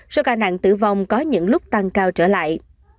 hai sở ca nạn tử vong có những lúc tăng cao trở lại